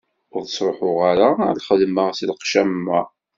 Ur ttruḥeɣ ara ɣer lxedma s lqecc am wa.